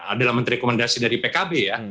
adalah menteri rekomendasi dari pkb ya